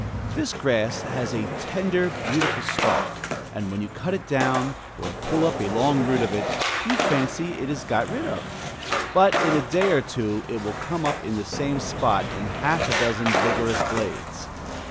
This grass has a slender, beautiful stalk: and when you cut it down, or pull up a long root of it, you fancy it is got rid of; but in a day or two it will come up in the same spot in half a dozen vigorous blades.